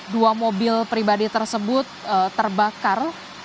dua mobil pribadi tersebut terbakar